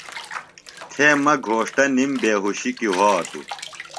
تھےۡ مہ گھوݜٹہ نِم بیہُوشیۡ کیۡ وھاتوۡ